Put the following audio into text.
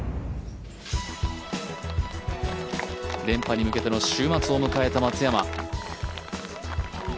連覇に向けての週末を迎えた松山。